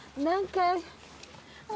何か。